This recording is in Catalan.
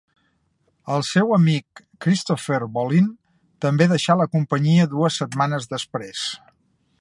El seu amic Christopher Bolin també deixà la companyia dues setmanes després.